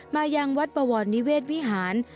มายังวัดปวรนิเวศวิหาร